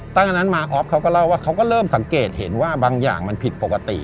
ตั้งแต่นั้นมาออฟเขาก็เล่าว่าเขาก็เริ่มสังเกตเห็นว่าบางอย่างมันผิดปกติ